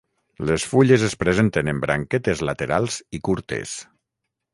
Les fulles es presenten en branquetes laterals i curtes.